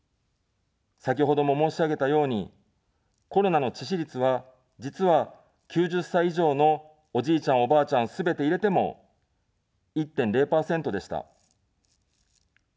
先ほども申し上げたように、コロナの致死率は、実は、９０歳以上のおじいちゃん、おばあちゃん、すべて入れても、１．０％でした。